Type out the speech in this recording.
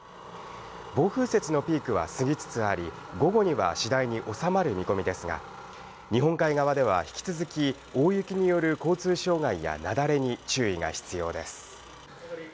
暴風雪のピークは過ぎつつあり、午後には次第に収まる見込みですが、日本海側では引き続き、大雪による交通障害や、なだれに注意が必要です。